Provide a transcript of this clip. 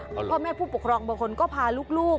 พ่อแม่ผู้ปกครองบางคนก็พาลูก